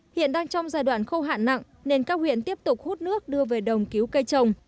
hiện đang trong giai đoạn khâu hạn nặng nên các huyện tiếp tục hút nước đưa về đồng cứu cây trồng